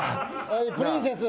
はいプリンセス。